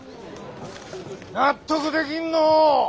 納得できんのう。